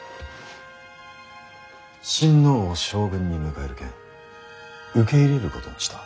親王を将軍に迎える件受け入れることにした。